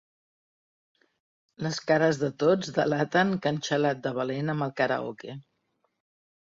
Les cares de tots delaten que han xalat de valent amb el karaoke.